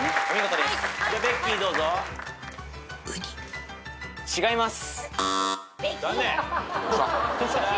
お見事です。